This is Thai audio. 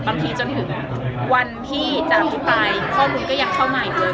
จนถึงวันที่จะอภิปรายข้อมูลก็ยังเข้ามาอีกเลย